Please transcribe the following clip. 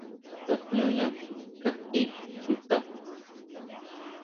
Tajñuña kají chuta.